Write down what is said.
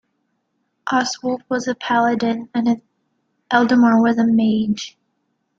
Oswulf was a paladin and Eldamar was a mage.